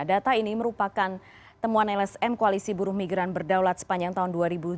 data ini merupakan temuan lsm koalisi buruh migran berdaulat sepanjang tahun dua ribu dua puluh satu dua ribu dua puluh dua